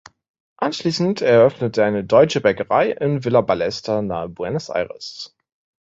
Anschließend eröffnete er eine deutsche Bäckerei in Villa Ballester nahe Buenos Aires.